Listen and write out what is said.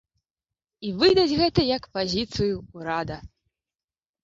І выдаць гэта як пазіцыю ўрада.